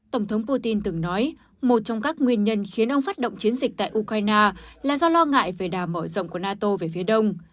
tổng thống putin từng nói một trong các nguyên nhân khiến ông phát động chiến dịch tại ukraine là do lo ngại về đà mở rộng của nato về phía đông